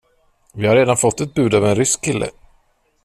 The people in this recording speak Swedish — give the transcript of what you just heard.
Vi har redan fått ett bud av en rysk kille.